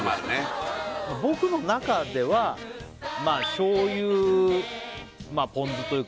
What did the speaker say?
僕の中では醤油ポン酢というか